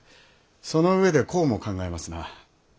その上でこうも考えますな。